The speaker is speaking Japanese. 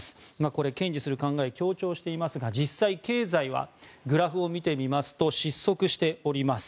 これ、堅持する考えを強調していますが実際、経済はグラフを見てみますと失速しております。